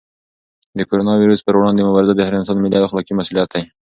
د کرونا وېروس پر وړاندې مبارزه د هر انسان ملي او اخلاقي مسؤلیت دی.